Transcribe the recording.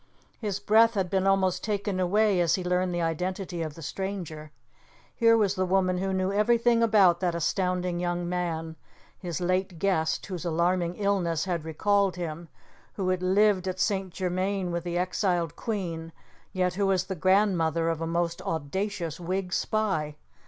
His breath had been almost taken away as he learned the identity of the stranger. Here was the woman who knew everything about that astounding young man, his late guest, whose alarming illness had recalled him, who had lived at St. Germain with the exiled queen, yet who was the grandmother of a most audacious Whig spy!